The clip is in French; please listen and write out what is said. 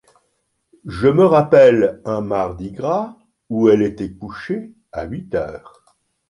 Je me rappelle un mardi gras où elle était couchée à huit heures.